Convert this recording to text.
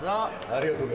ありがとうね。